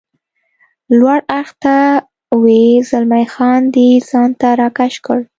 لوړ اړخ ته وي، زلمی خان دی ځان ته را کش کړ.